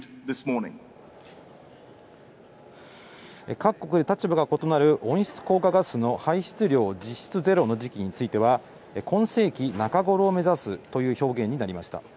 各国で立場が異なる温室効果ガスの排出量実質ゼロの時期については今世紀中ごろを目指すという表現になりました。